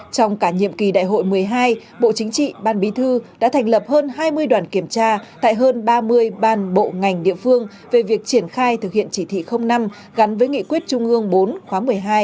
trong cả nhiệm kỳ đại hội một mươi hai bộ chính trị ban bí thư đã thành lập hơn hai mươi đoàn kiểm tra tại hơn ba mươi ban bộ ngành địa phương về việc triển khai thực hiện chỉ thị năm gắn với nghị quyết trung ương bốn khóa một mươi hai